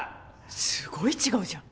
すごい違うじゃん。